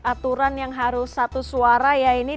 aturan yang harus satu suara ya ini